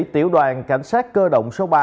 tiểu đoàn cảnh sát cơ động số ba